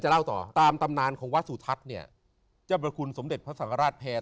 เล่าต่อตามตำนานของวัดสุทัศน์เนี่ยเจ้าพระคุณสมเด็จพระสังฆราชแพร